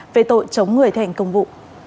về tội chống người thành công vụ